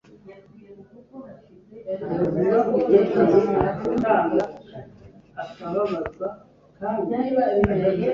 karongera karabikora, karongera bityo bityo.